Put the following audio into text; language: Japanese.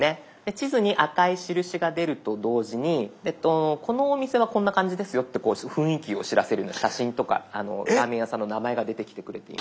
地図に赤い印が出ると同時にこのお店はこんな感じですよって雰囲気を知らせるような写真とかラーメン屋さんの名前が出てきてくれている。